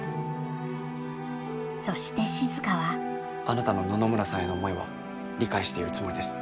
そして静はあなたの野々村さんへの思いは理解しているつもりです。